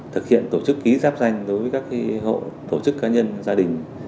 thực hiện tổ chức ký giáp danh đối với các hộ tổ chức cá nhân gia đình